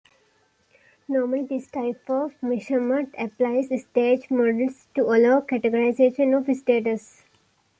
Normally, this type of measurement applies stage models to allow a categorisation of states.